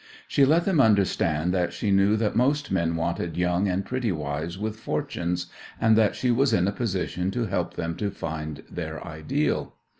She let them understand that she knew that most men wanted young and pretty wives with fortunes, and that she was in a position to help them to find their ideal.